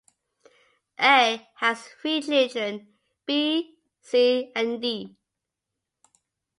"A" has three children, "B", "C", and "D".